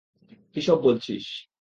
কী সব বলছিস?